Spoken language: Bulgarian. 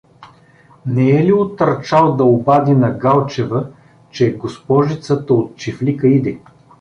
Не е ли отърчал да обади на Галчева, че „госпожицата от чифлика“ иде?